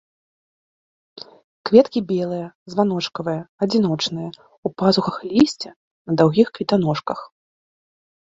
Кветкі белыя, званочкавыя, адзіночныя, у пазухах лісця, на даўгіх кветаножках.